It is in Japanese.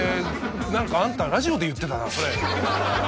何かあんたラジオで言ってたなそれ。